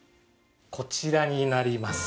こちらになります。